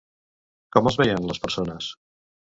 Com els veien les persones?